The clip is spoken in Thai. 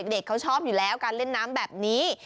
เด็กเขาชอบอยู่แล้วการเล่นน้ำแบบนี้